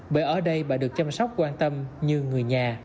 bởi ở đây bà được chăm sóc quan tâm như người nhà